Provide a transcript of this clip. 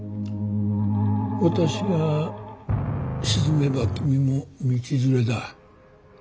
私が沈めば君も道連れだ。